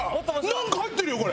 なんか入ってるよこれ！